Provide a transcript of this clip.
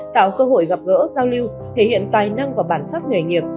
tạo cơ hội gặp gỡ giao lưu thể hiện tài năng và bản sắc nghề nghiệp